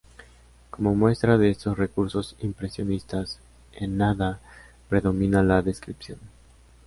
Como muestra de estos recursos impresionistas, en "Nada" predomina la descripción.